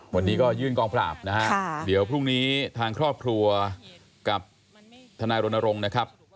วันนี้ก็ยื่นกองปราบนะฮะเดี๋ยวพรุ่งนี้ทางครอบครัวกับทนายรณรงค์นะครับ